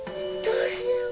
どうしよう。